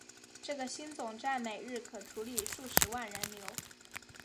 这个新总站每日可处理数十万人流。